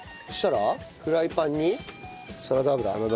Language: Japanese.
そしたらフライパンにサラダ油。